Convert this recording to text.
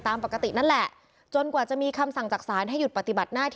ต้มปกตินั่นแหละ